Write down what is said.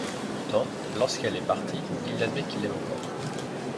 Pourtant, lorsqu'elle est partie, il admet qu'il l'aime encore.